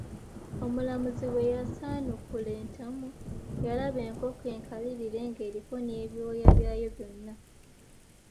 Omulamuzi bwe yasanukula entamu, yalaba enkonko enkalirire ng'eriko ne byooya byayo byona!